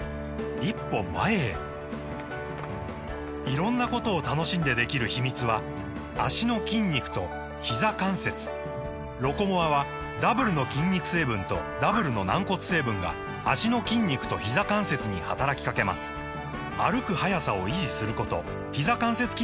色んなことを楽しんでできる秘密は脚の筋肉とひざ関節「ロコモア」はダブルの筋肉成分とダブルの軟骨成分が脚の筋肉とひざ関節に働きかけます歩く速さを維持することひざ関節機能を維持することが報告されています